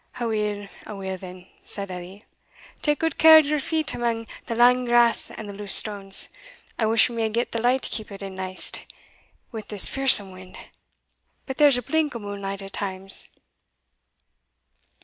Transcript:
"Aweel, aweel, then," said Edie, "tak gude care o' your feet amang the lang grass and the loose stones. I wish we may get the light keepit in neist, wi' this fearsome wind but there's a blink o' moonlight at times."